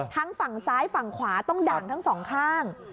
ทั้งฝั่งซ้ายฝั่งขวาต้องด่างทั้งสองข้าง